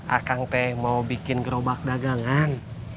akang teh mau bikin gerobak dagangan